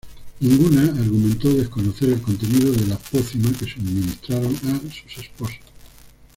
Ninguna argumentó desconocer el contenido de la "pócima" que suministraron a sus esposos.